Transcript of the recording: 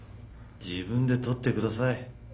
自分で取ってください。